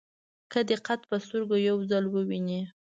که دې قد په سترګو یو ځل وویني.